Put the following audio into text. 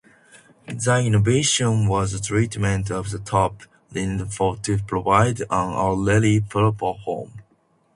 The innovation was the treatment of the top, reinforced to provide an artillery platform.